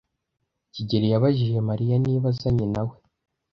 kigeli yabajije Mariya niba azanye na we.